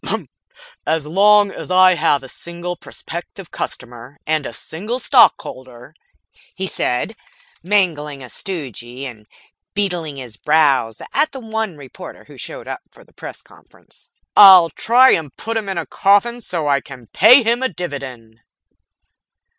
"As long as I have a single prospective customer, and a single Stockholder," he said, mangling a stogie and beetling his brows at the one reporter who'd showed up for the press conference, "I'll try to put him in a coffin so I can pay him a dividend."